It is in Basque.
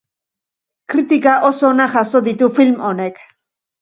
Kritika oso onak jaso ditu film honek.